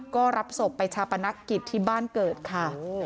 ก็รับศพไปชาปนักกิจที่บ้านเกิดค่ะ